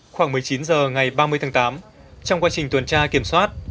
khoảng một mươi chín h ngày ba mươi tháng tám trong quá trình tuần tra kiểm soát